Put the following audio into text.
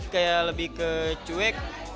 kayak lebih ke cuek